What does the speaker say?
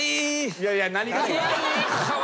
いやいや何が？